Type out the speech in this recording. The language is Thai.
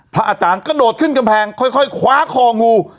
พระอาจารย์กระโดดขึ้นกำแพงค่อยคว้าคองู